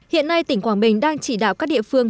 hiện nay tỉnh quảng bình đang chỉ đạo các địa phương